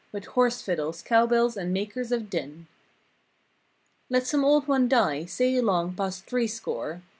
With horse fiddles, cow bells and makers of din. Let some old one die, say along past three score.